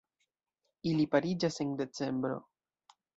Ili pariĝas en decembro.